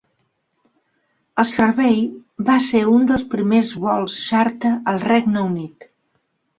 El servei va ser un dels primers vols xàrter al Regne Unit.